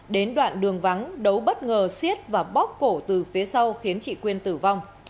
đến đoạn đường vắng đấu bất ngờ xiết và bóc cổ từ phía sau khiến chị quyên tử vong